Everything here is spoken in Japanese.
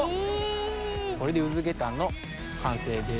これでウズゲタンの完成です。